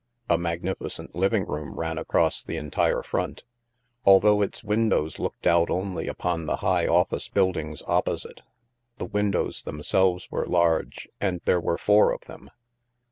A magnificent living room ran across the entire front; although its windows looked out only upon the high office buildings opposite, the windows them selves were large, and there were four of them.